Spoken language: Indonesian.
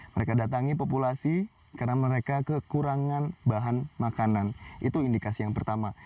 mereka datangi populasi karena mereka kekurangan bahan makanan itu indikasi yang pertama